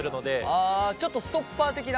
あちょっとストッパー的な。